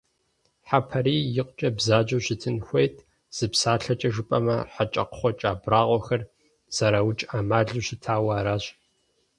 Хьэпарийр икъукӀэ бзаджэу щытын хуейт, зы псалъэкӀэ жыпӀэмэ, хьэкӀэкхъуэкӀэ абрагъуэхэр зэраукӀ Ӏэмалу щытауэ аращ.